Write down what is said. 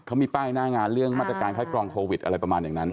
เขามีป้ายหน้างานเรื่องมาตรการคัดกรองโควิดอะไรประมาณอย่างนั้น